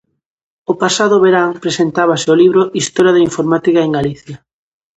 O pasado verán presentábase o libro Historia da Informática en Galicia.